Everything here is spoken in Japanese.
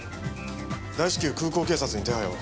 大至急空港警察に手配を。